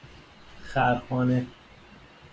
خرخانه